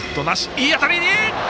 いい当たり！